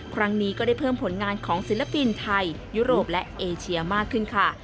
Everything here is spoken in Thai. ครั้งนี้ก็ได้เพิ่มผลงานของศิลปินไทยยุโรปและเอเชียมากขึ้นค่ะ